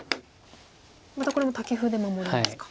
またこれもタケフで守りますか。